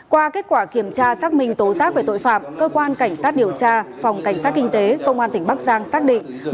qua kết quả kiểm tra xác minh tố giác về tội phạm cơ quan cảnh sát điều tra phòng cảnh sát kinh tế công an tỉnh bắc giang xác định